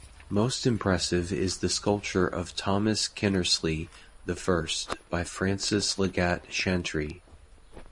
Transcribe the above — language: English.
Most impressive is the sculpture of Thomas Kinnersley I, by Francis Leggatt Chantrey.